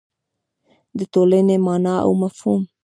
د ټولنې مانا او مفهوم